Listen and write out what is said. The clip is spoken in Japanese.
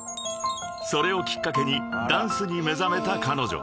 ［それをきっかけにダンスに目覚めた彼女］